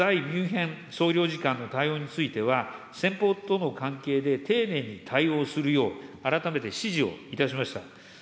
ミュンヘン総領事館の対応については、先方との関係で丁寧に対応するよう改めて指示をいたしました。